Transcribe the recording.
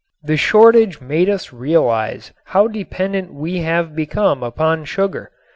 ] The shortage made us realize how dependent we have become upon sugar.